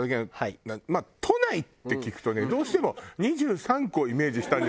まあ都内って聞くとねどうしても２３区をイメージしたんですけれども。